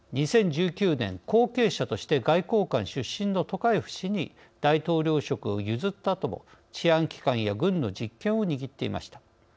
２０１９年、後継者として外交官出身のトカエフ氏に大統領職を譲ったあとも治安機関や軍の実権を握っていました。